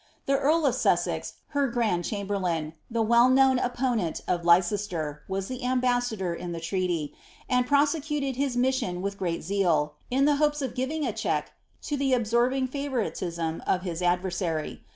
The earl of Sussex, her grand chamberlain, the well known opponent of Leicester, was the ambassador io the treaty^ and prosecuted his mission with great zeal, in hopes of ^Ting a check to the absorbing favouritism of his adversary.